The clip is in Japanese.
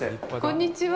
こんにちは。